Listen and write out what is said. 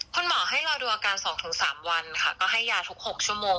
คุณหมอให้รอดูอาการ๒๓วันค่ะก็ให้ยาทุก๖ชั่วโมง